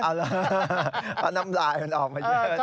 เอาล่ะเอาน้ำลายมันออกมาเยอะ